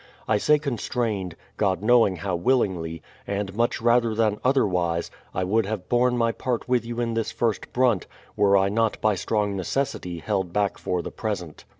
I say constrained, God knowing how willingly, and much rather than otherwise, I would have borne my part with you in this first brunt, were I not by strong necessity held back for the present.